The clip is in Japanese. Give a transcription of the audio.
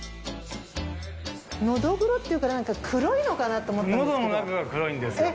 ノドグロって言うからなんか黒いのかなと思ったんですけど。